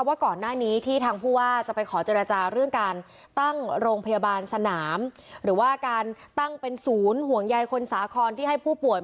ว่าก่อนหน้านี้ที่ทางผู้ว่าจะไปขอเจรจาเรื่องการตั้งโรงพยาบาลสนามหรือว่าการตั้งเป็นศูนย์ห่วงใยคนสาครที่ให้ผู้ป่วย